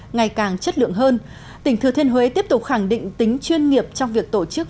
ngày càng chất lượng hơn tỉnh thừa thiên huế tiếp tục khẳng định tính chuyên nghiệp trong việc tổ chức